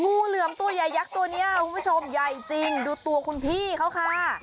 งูเหลือมตัวใหญ่ยักษ์ตัวนี้คุณผู้ชมใหญ่จริงดูตัวคุณพี่เขาค่ะ